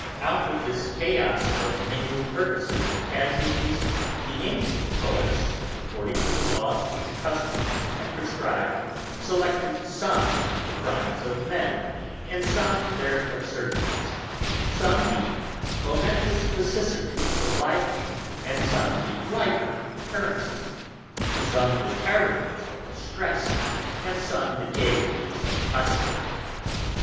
Out of this chaos of mingled purposes and casualties the ancient poets, according to the laws which custom had prescribed, selected some the crimes of men, and some their absurdities; some the momentous vicissitudes of life, and some the lighter occurrences; some the terrours of distress, and some the gayeties of prosperity.